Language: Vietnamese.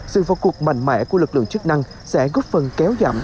sự vào cuộc mạnh mẽ của lực lượng chức năng sẽ góp phần kéo giảm